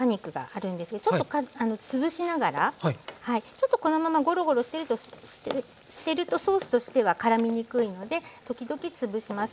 ちょっとこのままゴロゴロしてるとソースとしてはからみにくいので時々つぶします。